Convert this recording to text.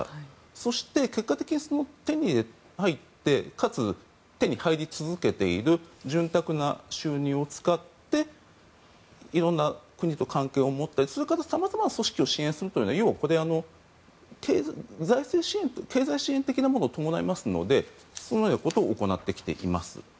そして、結果的に手に入ってかつ、手に入り続けている潤沢な収入を使って色んな国と関係を持ってそれから様々な組織を支援するというのは要はここで経済支援的なことを伴いますのでそのようなことを行ってきています。